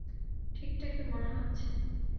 ঠিকঠাকই মনে হচ্ছে।